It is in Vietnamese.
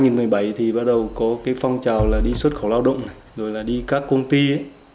năm hai nghìn một mươi bảy thì bắt đầu có cái phong trào là đi xuất khẩu lao động rồi là đi các công ty ấy